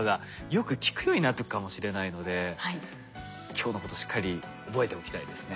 今日のことしっかり覚えておきたいですね。